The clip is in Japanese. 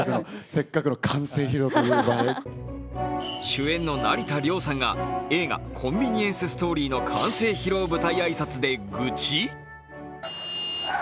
主演の成田凌さんが映画「コンビニエンス・ストーリー」の完成披露舞台挨拶で愚痴？